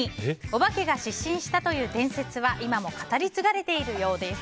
お化けが失神したという伝説は今も語り継がれているようです。